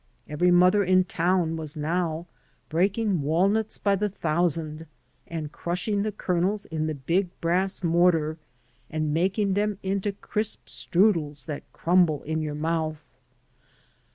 Every mother in town was now breaking walnuts by the thousand and crush ing the kernels in the big brass mortar and making them into crisp strudels that crumble in your mouth.